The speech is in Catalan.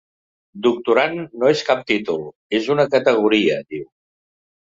Doctorand no és cap títol, és una categoria, diu.